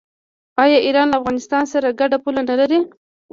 آیا ایران له افغانستان سره ګډه پوله نلري؟